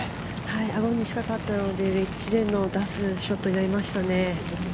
アゴに近かったようで、エッジで出すショットになりましたね。